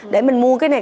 để mình mua cái này